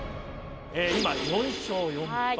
今４勝４敗。